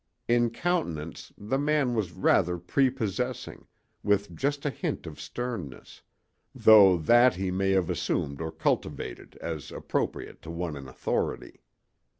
In countenance the man was rather prepossessing, with just a hint of sternness; though that he may have assumed or cultivated, as appropriate to one in authority.